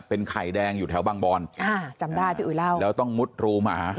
เป็นไข่แดงอยู่แถวบางบอนอ่าจำได้พี่อุ๋ยเล่าแล้วต้องมุดรูหมา